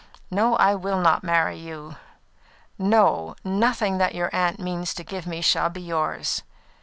No, I will not marry you. No; nothing that your aunt means to give me shall be yours.